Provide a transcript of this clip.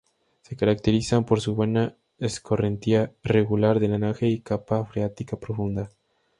Se caracterizan por su buena escorrentía, regular drenaje y capa freática profunda.